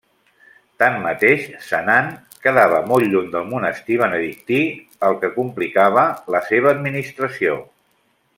Tanmateix, Senan quedava molt lluny del monestir benedictí el que complicava la seva administració.